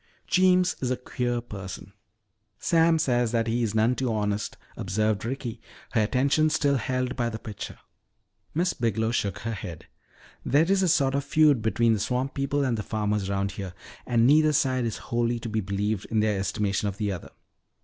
'" "Jeems is a queer person " "Sam says that he is none too honest," observed Ricky, her attention still held by the picture. Miss Biglow shook her head. "There is a sort of feud between the swamp people and the farmers around here. And neither side is wholly to be believed in their estimation of the other.